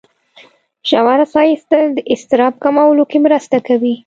ژوره ساه ایستل د اضطراب کمولو کې مرسته کوي.